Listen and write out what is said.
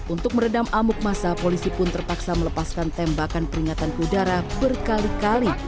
untuk meredam amuk masa polisi pun terpaksa melepaskan tembakan peringatan ke udara berkali kali